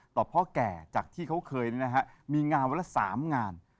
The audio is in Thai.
พ่อแก่จากที่เขาเคยมีงานวันละ๓งาน